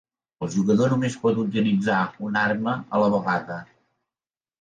El jugador només pot utilitzar una arma a la vegada.